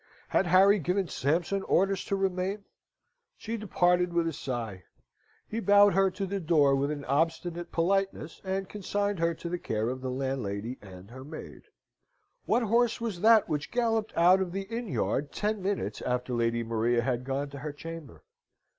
Had Harry given Sampson orders to remain? She departed with a sigh. He bowed her to the door with an obstinate politeness, and consigned her to the care of the landlady and her maid. What horse was that which galloped out of the inn yard ten minutes after Lady Maria had gone to her chamber?